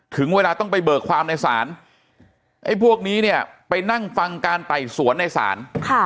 ถึงเวลาต้องไปเบิกความในศาลไอ้พวกนี้เนี่ยไปนั่งฟังการไต่สวนในศาล